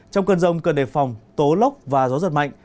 trong cơn rông cần đề phòng tố lốc và gió giật mạnh